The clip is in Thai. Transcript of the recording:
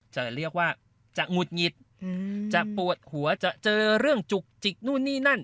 จะเรียกว่าจะหงุดหงิดจะปวดหัวจะเจอเรื่องจุกจิกนู่นนี่นั่น